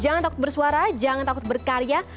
jangan takut bersuara jangan takut berkarya